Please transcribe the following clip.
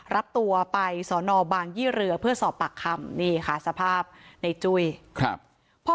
รับตัวไปสอนอบางยี่เรือเพื่อสอบปากคำนี่ค่ะสภาพในจุ้ยครับพ่อ